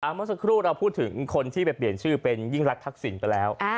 เมื่อสักครู่เราพูดถึงคนที่ไปเปลี่ยนชื่อเป็นยิ่งรักทักษิณไปแล้ว